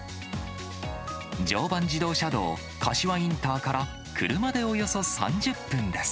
常磐自動車道柏インターから車でおよそ３０分です。